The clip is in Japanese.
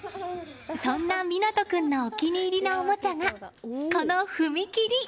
そんな湊斗君の、お気に入りのおもちゃが、この踏切！